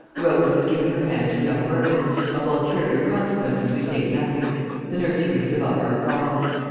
Rhoda had given her hand to young Mervyn, of ulterior consequences we say nothing the nursery is above our province.